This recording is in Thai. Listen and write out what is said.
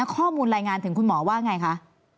ข้อมูลรายงานถึงคุณหมอว่าไงคะ